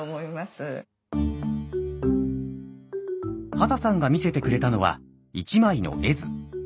畑さんが見せてくれたのは一枚の絵図。